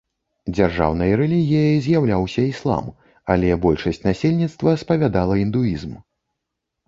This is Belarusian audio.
Дзяржаўнай рэлігіяй з'яўляўся іслам, але большасць насельніцтва спавядала індуізм.